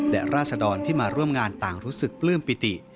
และราศดรที่มาร่วมงานต่างรู้สึกปลื้มปิติ